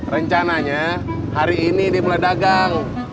rencananya hari ini dia mulai dagang